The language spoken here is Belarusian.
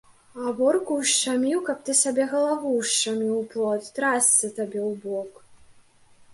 Аборку ўшчаміў, каб ты сабе галаву ўшчаміў у плот, трасца табе ў бок!